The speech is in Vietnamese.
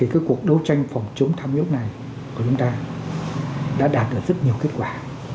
các cuộc đấu tranh phòng chống tham nhũng này của chúng ta đã đạt được rất nhiều kết quả